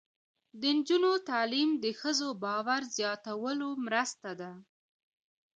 د نجونو تعلیم د ښځو باور زیاتولو مرسته ده.